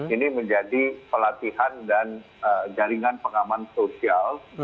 ini menjadi pelatihan dan jaringan pengaman sosial